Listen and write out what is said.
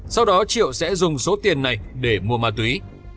sau đó triệu sẽ dùng số tiền này để mua ma túy